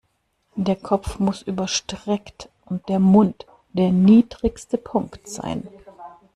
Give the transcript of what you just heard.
Der Kopf muss überstreckt und der Mund der niedrigste Punkt sein.